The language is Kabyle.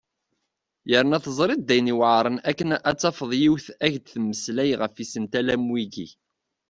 Yerna teẓriḍ d ayen yuɛren akken ad tafeḍ yiwet ad ak-d-temmeslay ɣef isental a wiyi.